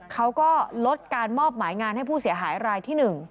เขาก็ลดการมอบหมายงานให้ผู้เสียหายรายที่๑